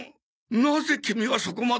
なぜキミはそこまで？